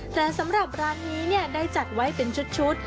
แต่สำหรับร้านนี้ได้จัดไว้เป็นชุด